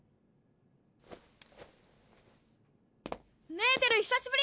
メーテル久しぶり！